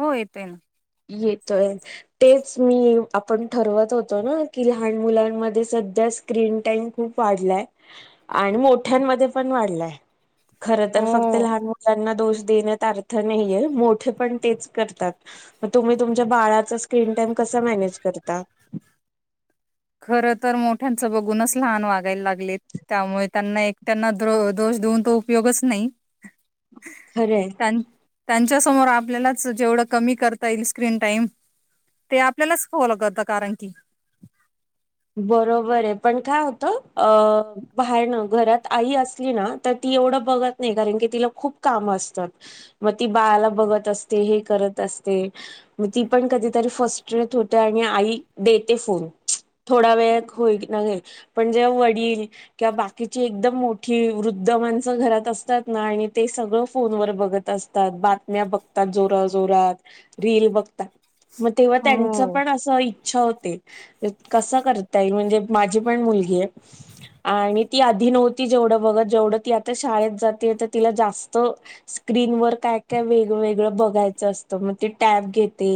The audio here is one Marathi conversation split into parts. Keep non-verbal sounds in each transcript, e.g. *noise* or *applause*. हो येत आहे ना येतोय तेच मी आपण ठरवत होतो ना की लहान मुलांनमध्ये सध्या स्क्रीन टाइम खूप वाढलाय आणि मोठ्यांमध्ये पण वाढलाय खर तर फक्त लहान मुलांना दोष देण्यात अर्थ नाहीय मोठे पण तेच करतात मग तुम्ही तुमच्या बाळाचा स्क्रीन टाइम कसा मॅनेज करता खर तर मोठ्यांचं बघूनच लहान वागायला लागलेत त्यामुळे त्यांना एक त्यांना दोष देऊन तर उपयोगच नाही खरंय त्यांच्या समोर आपल्यालाच जेवढं कमी करता येईल स्क्रीन टाइम ते आपल्यालाच फॉल करतात कारण की बरोबर आहे पण काय होतं अ बाहेर ना घरात आई असली ना तर ती एवढं बघत नाही कारण की तिला खूप काम असतात मग ती बाळाला बघत असते हे करत असते मग ती पण कधीतरी फर्स्टेत होते आणि आई देते फोन थोडा वेळ होई क न पण जेव्हा वडील किंवा बाकीची एकदम मोठी वृद्ध माणसं घरात असतात ना आणि ते सगळं फोनवर बघत असतात. त्यात बातम्या बघतात जोरा जोरात रील बघतात मग तेव्हा त्यांच हो. पण असं इच्छा होते कसं करताय म्हणजे माझी पण मुलगी आहे आणि ती आधी नव्हती जेवढं बघ जेवढं ती आता शाळेत जाते तर तिला जास्त स्क्रीनवरर काय काय वेगवेेगळं बघायचं असतं मग ते टॅब घेते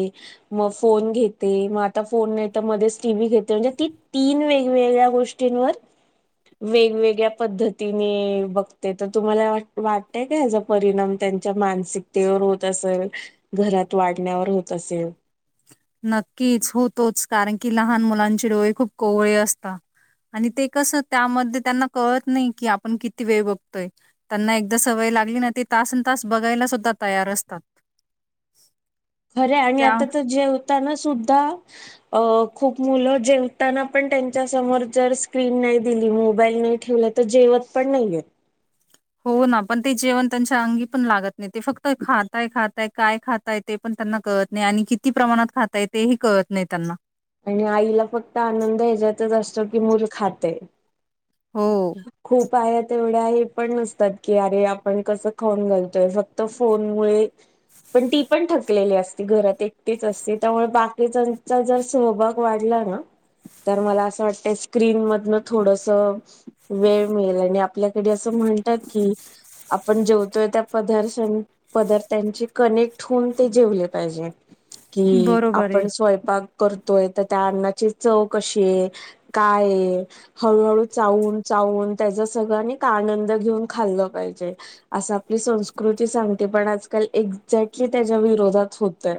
मग फोन घेते मग आता फोन नाही तर मध्येच टीव्ही घेते म्हणजे ती तीन वेगवेगळ्या गोष्टींवर वेगवेगळ्या पद्धतीने बघते तर तुम्हाला वाटतय काय परिणाम त्यांच्या मानसिकतेवर होत असेल घरात वाढण्यावर होत असेल नक्कीच होतोच कारण की लहान मुलांचे डोळे खूप कोवळे असता. आणि ते कस त्यामध्ये त्यांना कळत नाही की आपण किती वेळ बघतोय त्यांना एकदा सवय लागली ना ते तासन तास बघायला सुद्धा तयार असतात. खरे आणि त्या आता तर जेवता ना सुद्धा अ खूप मुलं जेवताना पण त्यांच्या समोर जर स्क्रीन नाही दिली मोबाईल नाही ठेवला तर जेवत पण नाही आहे त हो ना पण ते जेवण त्यांच्या अंगी पण लागत नाही ते फक्त खातय खात ते काय खाताय ते पण त्यांना कळत नाही आणि किती प्रमाणात खाताये ते ही कळत नाही त्यांना आणि आईला फक्त आनंद ह्याच्यातच असतो की मूल खाते हो खूप आया तेवढ्या हे पण नसतात की अरे आपण कसं खाऊन घालतोय फक्त फोनमुळे पण ती पण थक थकलेली असती घरात एकटीच असते त्यामुळे बाकीच्यांचा जर सहभाग वाढला ना तर मला असं वाटतं स्क्रीन मधन थोडस वेळ मिळेल आणि आपल्याकडे असं म्हणतात की आपण जेवतोय त्या पदार्थन पदार्थांची कनेक्ट होऊन ते जेवले पाहिजे कि बरोबर आहे. आपण स्वयंपाक करतोय तर त्या अन्नाची चव कशी आहे काय हळूहळू चावून चावून त्याचा सगळं नी का आनंद घेऊन खाल्ल पाहिजे असं आपली संस्कृती सांगते पण आजकाल एक्झॅक्टली त्याच्या विरोधात होतय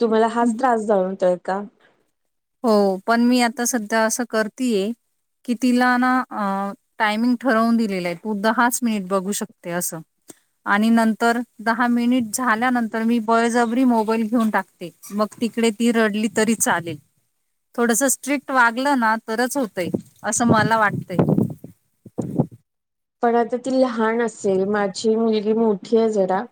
तुम्हाला हं. हाच त्रास जाणवतोय का हो पण मी आता सध्या असं करतीये की तिला ना अ टायमिंग ठरवून दिलेला आहे तू दहाच मिनिट बघू शकते असं आणि नंतर दहा मिनिट झाल्यानंतर मी बळजबरी मोबाईल घेऊन टाकते मग तिकडे ती रडली तरी चालेल थोडस स्ट्रिक्ट वागलं ना तरच होतंय असं मला वाटतंय पण आता ती लहान असेल माझी मुलगी मोठी आहे जरा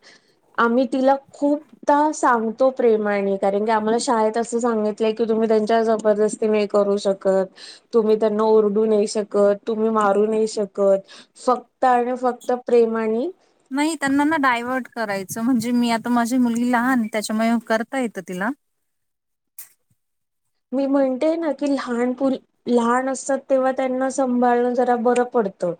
आम्ही तिला खूप खुुपदा सांगतो प्रेमाने कारण की आम्हाला शाळेत असं सांगितलंय कि तुम्ही त्यांच्यावर जबरदस्ती ते करू शकत तुम्ही त्यांना ओरडू नाही शकत तुम्ही मारू नाही शकत फक्त आणि फक्त प्रेमाने नाही त्यांना ना डायवर्ट करायचं म्हणजे मी आता माझी मुलगी लहान त्याच्यामुळे करता येतं तिला मी म्हणते ना की लहान पुरी लहान असतात तेव्हा त्यांना सांभाळण जरा बरं पडतं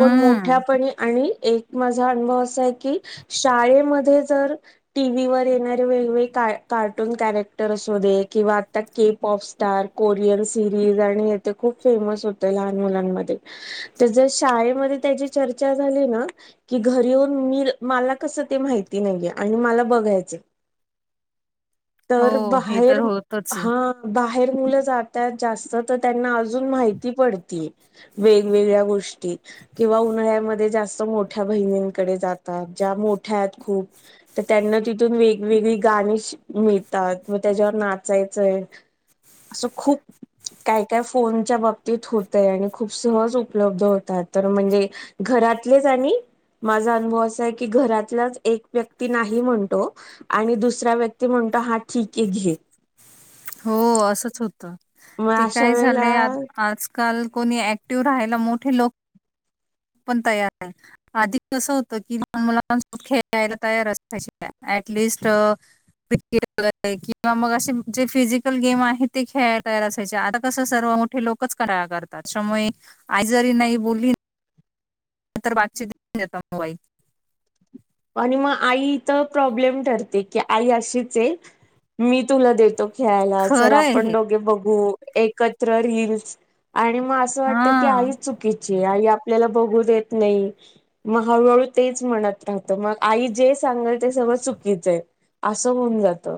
ण मोठ्यापणी आणि एक माझा अनुभव असा आहे की शाळेमध्ये जर टी व्ही वर येणारे वेगवेगळे कार्टून कॅरेक्टर असु दे किंवा आता cape of star Korean series आणि हेत खूप फेमस होते लहान मुलांमध्ये तर जर शाळेमध्ये त्याची चर्चा झाली ना की घरी येऊन मी मला कस ते माहिती नाहीे आणि मला बघायच तर हो हे तर बाहेर होतच आहे हा बाहेर मुलं जातात जास्त तर त्यांना अजून माहिती पडती वेगवेगळ्या गोष्टी किंवा उन्हाळ्यामध्ये जास्त मोठ्या बहिणींकडे जातात ज्या मोठ्या आहेत खूप तर त्यांना तिथून वेगवेगळी गाणी मिळतात मग त्याच्यावर नाचाय असं खूप काय काय फोनच्या बाबतीत होतय आणि खूप सहज उपलब्ध होतात तर म्हणजे घरातलेच आणि माझा अनुभव असा आहे की घरातलाच एक व्यक्ती नाही म्हणतो आणि दुसरा व्याक्ती म्हणतो हा ठीक आहे घे हो असंच होत मग ते अशा काय वेळेला झालंय आ आज कारण कोणी ऍक्टिव्ह राहायला मोठे लोक पण तयार आहे आधी कसं होतं की ल मुलांोबत खेळायला तयार असल्या शिवाय ऍटलिस्ट क्रिकेट किंवा मग असे जे फिजिकल गेम आहे ते खेळाय कयला असायचे आता कसं सर्व मोठ लोकतातमुळे आ ज नाही ब तर बाातचीितऊ मोबाईल आणि मग आई इथं प्रॉब्लेम ठरते की आई अशीच आहे मी तुला देतो खेळाला चल खरं आहे आपण हे दोघे बघू एकत्र रीलीलस आणि मग अस असं हा वाटतं की चुकीची. आई आपल्याला बघू देत नाही मग हळूहळू तेच म्हणत राहत तर मग आई जे सांगल ते सगळं चुकीचं आहे. असं होऊन जात.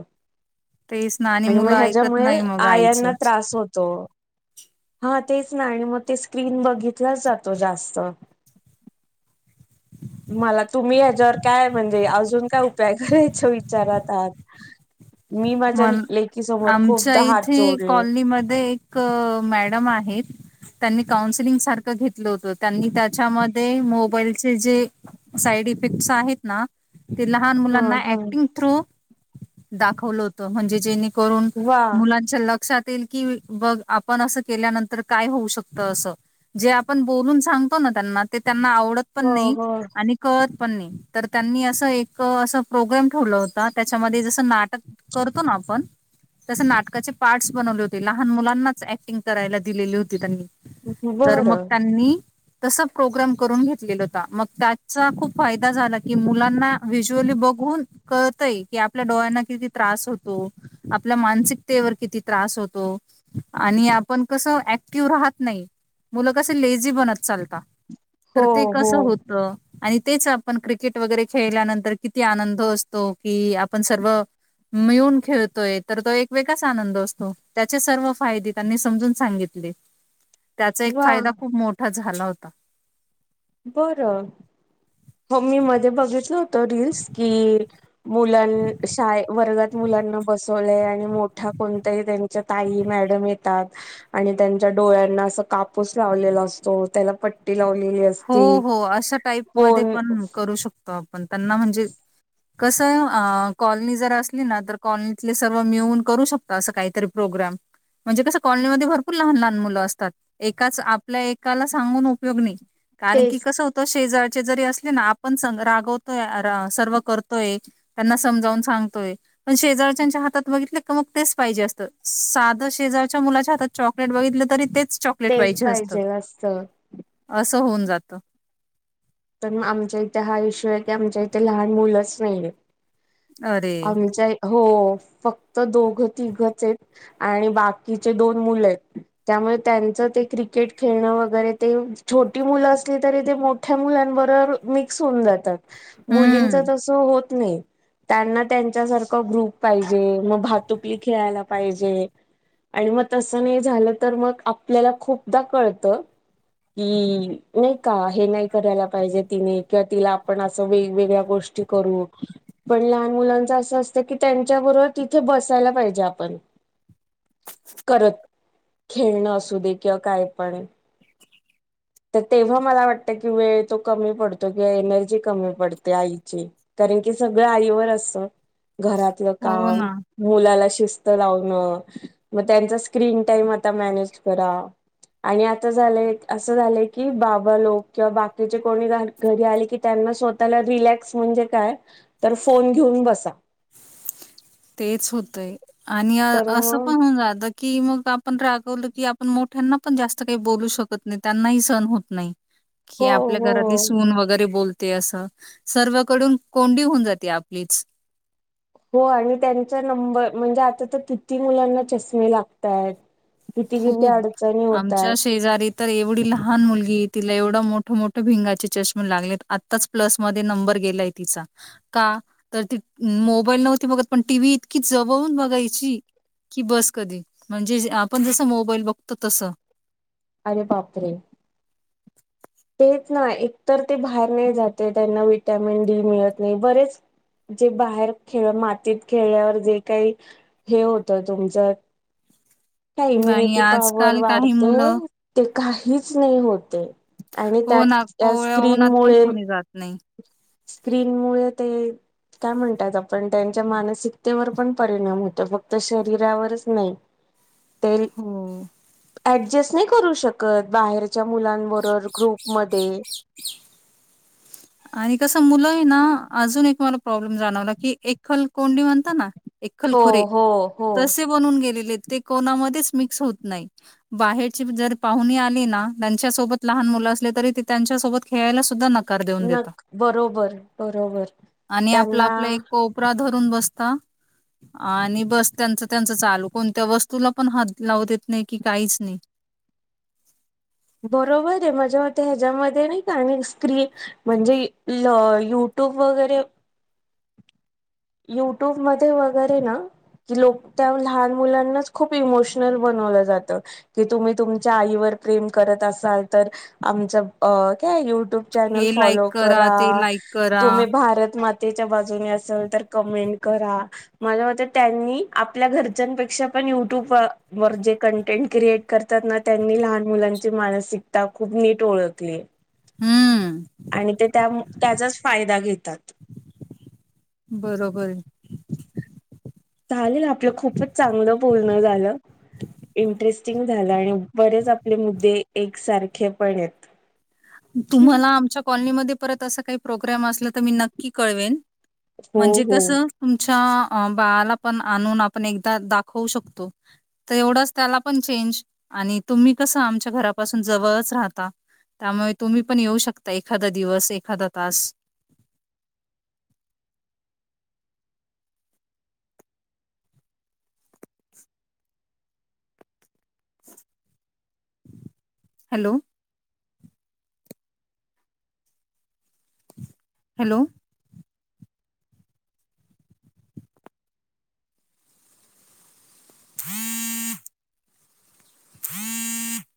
तेच ना आणि मुलं मग ऐकत ह्याच्यामुळे नाही मग आईंना आईचं त्रास होतो. हा तेच ना. आणि मग ते स्क्रीन बघितलाच जातो जास्त. मला तुम्ही हच्यावर काय म्हणजे अजून काय उपाय करायचे विचारात आहात? मी म माझ्या लेकी समोर आमच्या खूपदा हात इथे जोडले कॉलनीमध्ये एक एक मॅडम आहेत. त्यांनी काउन्सलिंग सारखं घेतलं होत. त्यांनी त्याच्यामध्ये मोबाईलचे जे साईड इफेक्ट आहेत ना? ते लहान हा मुलांना हा ऍक्टिंग थ्रू दाखवलं होत म्हणजे जे करून वा मु *unintelligible* कि बघ आपण असं केल्यानंतर काय होऊ शकतं असं. जे आपण बोलून सांगतो ना त्यांना, ते त्यांना आवडत पण हो नाही हो आणि कळत पण नाही. तर त्यांनी असं एक असं प्रोग्रॅम ठेवलं होता. त्याच्यामध्ये जसं नाटक करतो ना आपण तसे नाटकाचे पार्टस बनवले होते. लहान मुलांनाच ऍक्टिंग करायला दिलेली होती त्यांनी. तर मग बरं त्यांनी तसा प्रोग्राम करून घेतलेला होता. मग त्याचा खूप फायदा झाला, की मुलांना व्हज्युअली बघून कळतय की आपल्या डोळ्यांना किती त्रास होतो. आपल्या मानसिकतेवर किती त्रास होतो. आणि आपण कस ऍक्टिव्ह राहत नाही. मुलं कसं लेझी बनत चालता, हो तर ते हो कसं होत? आणि तेच आपण क्रिकेट वगैरे खेळल्यानंतर किती आनंद असतो कि आपण सर्व मिळून खेळतोय, तर तो एक वेगळाच आनंद असतो. त्याचे सर्व फायदे त्यांनी समजून सांगितले. *inaudible* त्याचा एक वा फायदा खूप मोठा झाला होता. बरं. हो मी मध्ये बघितलं होत रिल्स, की मुलां शाळे वर्गात मुलांना बसवलंय आणि मोठा कोणत्या त्यांच्या ताई मॅडम येतात. आणि त्यांच्या डोळ्यांना अस कापूस लावलेला असतो, त्याला पट पट्टी लावलेली असती. होय. हम, करू शकतो आपण त्यांना म्हणजे कसं, कॉलनी जर असली ना तर कॉलनीतले सर्व मिळून करू शकतो. असं काहीतरी प्रोग्राम. म्हणजे कसं कॉलनीमध्येध्ये भरपूर लहान लहान मुलं असतात. एकाच आपल्या एकाला सांगून उपयोग नाही. कारण तेच की कसं होतं. शेजारचे जरी असले ना आपण रागवतोय सर्व करतोय. त्यांना समजावून सांगतोय. पण शेजारच्याच्या हातात बघितले का मग तेच पाहिजे असतं. साधं शेजारच्या मुलाच्या हातात चॉकलेट बघितलं तरी तेच चॉकलेट तेच पाहिजे असत. असतं असं होऊन जात. पण आमच्या इथे हा विशू आहे की आमच्या इथे लहान मुलंच नाहीयेत. अरे! आमच्या हो फक्त दोघं तिघं आहेत. आणि बाकीचे दोन मुलं आहेत. त्यामुळे त्यांचं ते क्रिकेट खेळणं वगैरे ते छोटी मुलं असली तरी ते मोठ्या मुला बरोबर ते मिक्स होऊन जातात. मुलींच हम्म. तस होत नाही. त्यांना त्यांच्यासारखं ग्रुप पाहिजे मग भातुकली खेळायला पाहिजे आणि मग तसं नाही झालं तर मग आपल्याला खूपदा कळतं हमकि नाही का हे नाही करायला पाहिजे किंवा तिला आपण असं वेगवेगळ्या गोष्टी करू पण लहान मुलांच असं असत की त्यांच्याबरोबर तिथे बसायला पाहिजे आपण करत खेळणं असू दे किं काय पण तर तेव्हा मला वाटतं की वेळ तो कमी पडतो किंवा एनर्जी कमी पडते आईची कारण की सगळं आईवर असतं घरातलं हो काम ना. मुलाला शिस्त लावण मग त्यांचा स्क्रीन टाइम आता मॅनेज करा आणि आता झालंय असं झालंय की बाबा लोक किंवा बाकीचे कोणी घरी आली की त्यांना स्वतःला रिलॅक्स म्हणजे काय तर फोन घेऊन बसा रीकाम आहे तेच होतंय आणि तर असं मग पण होऊन जात कि मग आपण रागवलं की आपण मोठ्यांना पण जास्त काही बोलू शकत नाही त्यांनाही सहण होत नाही रीकाम आहे कि आपल्या घरातली सून वगैरे बोलते ते असं सर्वाकडून कोंडी होऊन जाते आपलीच हो आणि त्यांचा नंबर म्हणजे आता तर किती मुलांना चष्मे लागतय किती किती खूप. अडचणी आमच्या होतात शेजारी तर एवढी लहान मुलगी तिला एवढं मोठ मोठे भिंगाचे चष्मे लागलेता आत्ताच प्लस मध्ये नंबर गेलाय तिचा का तर ती मोबाईल नव्हती बघत पण टी व्ही इतकी जवळून बघायची कि बस कधी म्हणजे आपण जस मोबाईल बघतो तस अरे बापरे तेच ना एकतर ते बाहेर नाही जाते त्यांना विटॅमिन डी मिळत नाही बरेच जे बाहेर खेळ मातीत खेळल्यावर जे काही हे होत तुमचं काय नाही इम्युनिटी पॉवर आजकाल काही वाढते मुलं ते काहीच नाही होते आणि हो त्यात ना त्या कोवळ्या उन्हात पण स्क्रीनमुळे कोणी जात नाही. स्क्रीन मुळे ते काय म्हणतात आपण त्यांच्या मानसिकतेवर पण परिणाम होतो फक्त शरीरावरच नाही रीकाम आहे ते हो ऍडजस्ट नाही करू शकत बाहेरच्या मुलांबरोबर मध्ये आणि कसं मुलं आहे ना अजून एक मला प्रॉब्लेम जाणवला की एकल कोंडी म्हणता ना हो एकखलखुरे हो हो तसे बनून गेलेले ते कोणामध्येच मिक्स होत नाही बाहेरची जर पाहुणी आली ना त्यांच्यासोबत लहान मुलं असले तरी ते त्यांच्यासोबत खेळायला सुद्धा नक् करेदेउ न बरोबर बरोबर आणि आपला त्यांना आपला एक कोपरा धरून बसता आणि बस त्यांचं त्यांचं चालू कोणत्या वस्तूला पण हात लावू देत नाही की काहीच नाही बरोबर आहे मजा होते ह्याच्यामध्ये नाही का आणि स्क्रीन म्हणजे युट्यूब वगैरे युट्यूब ममध्येध्ये वगैरे ना की लोक त्या लहान मुलांनाच खूप इमोशनल बनवलं जातं कि तुम्ही तुमच्या आईवर प्रेम करत असाल तर आमच अ काय युट्यूब चल हे लाईक फॉलो करा ते लाईक करा तुम्ही भारत मातेच्या बाजूने असाल तर कमेंट करा मला वात त्यांनी आपल्या घरच्यांपेक्षा पण युट्यूब वर जे कंटेंट क्रिएट करतातना त्यांनी लहान मुलांची मानसिकता खूप नीट ओळखली हम्म आणि ते त्या त्याचाच फायदा घेतात बरोबर आहे चाले ना आपलं खूपच चांगलं बोलणं झालं इंटरेस्टिंग झालं आणि बरेच आपले मुद्दे एकसारखे पण आहेत तुम्हाला आमच्या कॉलनीमध्ये परत अस काही प्रोग्राम असला तर मी नक्की कळवेन हो म्हणजे हो कसं तुमच्या बाळाला पण आणून आपण एकदा दाखवू शकतो तर एवढंच त्याला पण चेंज आणि तुम्ही कसं आमच्या घरापासून जवळच राहता त्यामुळे तुम्ही पण येऊ शकता एखादा दिवस एखादा तास हॅलो हॅलो हम् हा